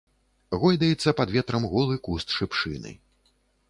Гойдаецца пад ветрам голы куст шыпшыны.